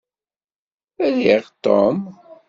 Riɣ Tom.